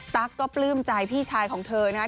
ตั๊กก็ปลื้มใจพี่ชายของเธอนะครับ